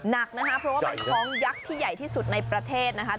หนักนะคะเพราะว่าเป็นคล้องยักษ์ที่ใหญ่ที่สุดในประเทศนะคะ